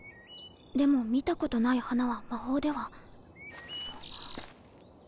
でも見たことない花は魔法では。